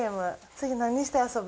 次何して遊ぶ？